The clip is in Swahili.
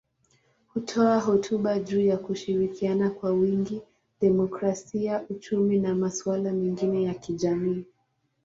Hutoa hotuba juu ya kushirikiana kwa wingi, demokrasia, uchumi na masuala mengine ya kijamii.